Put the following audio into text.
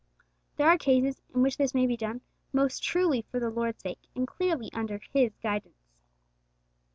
There are cases in which this may be done most truly for the Lord's sake, and clearly under His guidance.